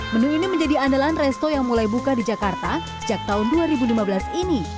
menu ini menjadi andalan resto yang mulai buka di jakarta sejak tahun dua ribu lima belas ini